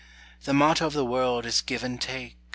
The motto of the world is give and take.